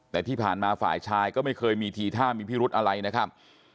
แต่ที่ผ่านมาฝ่ายชายก็ไม่เคยมีทีท่ามีพิรุธอะไรนะครับ